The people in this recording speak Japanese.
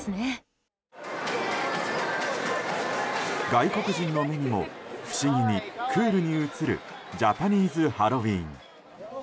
外国人の目にも不思議にクールに映るジャパニーズハロウィーン。